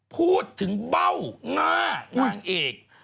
พูดถึงเบางางานเอก